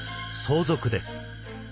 相続です。